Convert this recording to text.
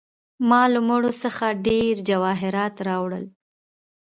ما له مړو څخه ډیر جواهرات راوړل.